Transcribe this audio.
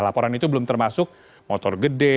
laporan itu belum termasuk motor gede